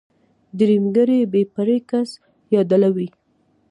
درېمګړی بې پرې کس يا ډله وي.